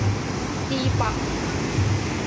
ดีป่ะ ?